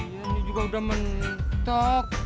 ini juga udah mentok